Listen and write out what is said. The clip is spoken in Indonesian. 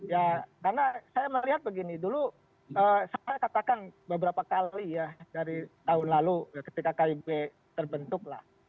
ya karena saya melihat begini dulu saya katakan beberapa kali ya dari tahun lalu ketika kib terbentuk lah